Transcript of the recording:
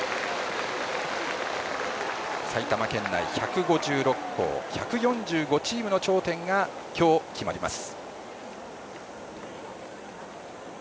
埼玉県内１５６校１４５チームの頂点が今日、決まります。